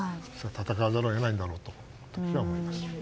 戦わざるを得ないんだろうと思います。